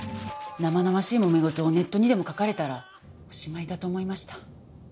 生々しい揉め事をネットにでも書かれたらおしまいだと思いました。